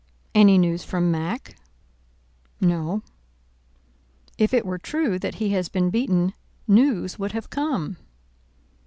"Any news from Mack?" "No." "If it were true that he has been beaten, news would have come."